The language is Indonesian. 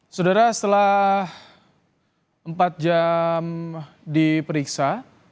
saudara setelah empat jam diperiksa